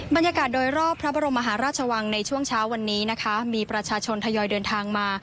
บรรยากาศโดยรอบพระบรมมหาราชวังในช่วงเช้าวันนี้นะคะมีประชาชนทยอยเดินทางมา